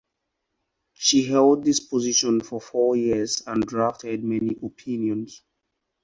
She held this position for four years and drafted many opinions.